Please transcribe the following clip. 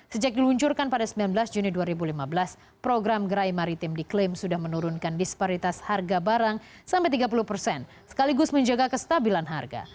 sejak diluncurkan pada sembilan belas juni dua ribu lima belas program gerai maritim diklaim sudah menurunkan disparitas harga barang sampai tiga puluh persen sekaligus menjaga kestabilan harga